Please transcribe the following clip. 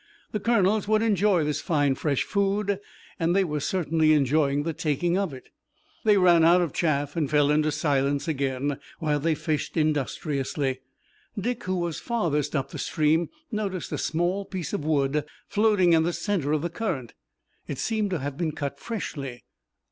The colonels would enjoy this fine fresh food, and they were certainly enjoying the taking of it. They ran out of chaff and fell into silence again, while they fished industriously. Dick, who was farthest up the stream, noticed a small piece of wood floating in the center of the current. It seemed to have been cut freshly.